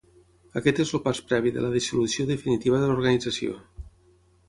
Aquest és el pas previ de la dissolució definitiva de l’organització.